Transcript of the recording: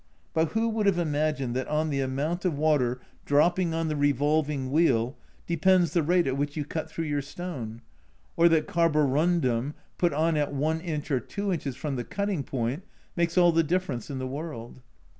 But who would have imagined that on the amount of 92 A Journal from Japan water dropping on the revolving wheel depends the rate at which you cut through your stone or that carborundum put on at i inch or 2 inches from the cutting point makes all the difference in the world?